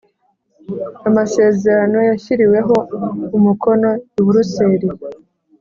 Amasezerano yashyiriweho umukono i buruseli